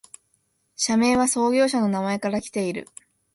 社名は創業者の名前からきている